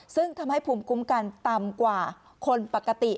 ซึ่งทำให้ภูมิคุ้มกันต่ำกว่าคนปกติ